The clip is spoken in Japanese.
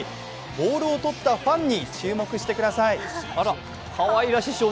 ボールを取ったファンに注目してください。